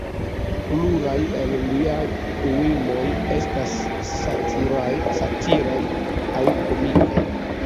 Pluraj el lia poemoj estas satiraj aŭ komikaj.